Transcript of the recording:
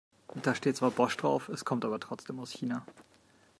Da steht zwar Bosch drauf, es kommt aber trotzdem aus China.